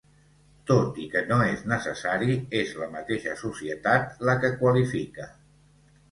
Tot i que no és necessari, és la mateixa societat la que qualifica.